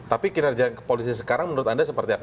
tapi kinerja polisi sekarang menurut anda seperti apa